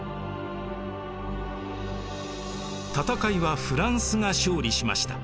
戦いはフランスが勝利しました。